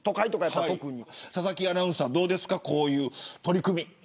佐々木アナウンサーはどうですか、こういう取り組み。